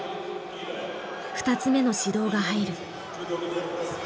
２つ目の指導が入る。